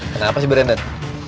kenapa sih brandon